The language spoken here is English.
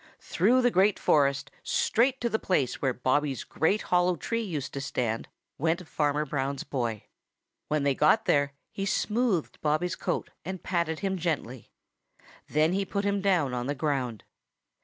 Through the Green Forest straight to the place where Bobby's great hollow tree used to stand went Farmer Brown's boy. When they got there he smoothed Bobby's coat and patted him gently. Then he put him down on the ground.